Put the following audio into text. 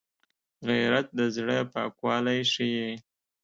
غیرت د زړه پاکوالی ښيي